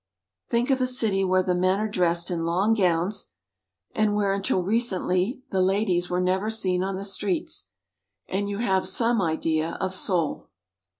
Think of a city where the men are dressed in long gowns, and where, until recently, the ladies were never seen on the streets, and you have some idea of Seoul.